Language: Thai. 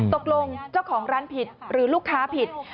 ตกลงเจ้าของร้านผิดหรือลูกค้าผิด